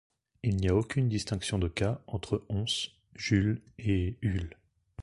Il n'y a aucune distinction de cas entre ons, julle, et hulle.